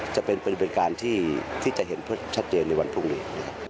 จะเป็นบริเวณการที่จะเห็นชัดเจนในวันพรุ่งนี้